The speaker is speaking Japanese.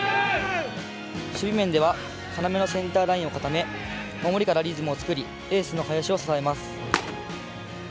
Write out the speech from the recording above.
守備面では要のセンターラインを固め守りからリズムを作りエースの林を支えます。